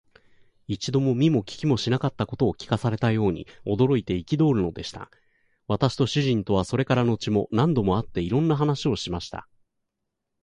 一度も見も聞きもしなかったことを聞かされたように、驚いて憤るのでした。私と主人とは、それから後も何度も会って、いろんな話をしました。